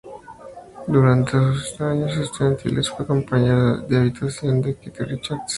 Durante sus años estudiantiles fue compañero de habitación de Keith Richards.